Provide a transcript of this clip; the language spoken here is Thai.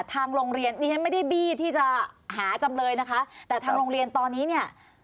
ทางโรงเรียนดิฉันไม่ได้บี้ที่จะหาจำเลยนะคะแต่ทางโรงเรียนตอนนี้เนี่ย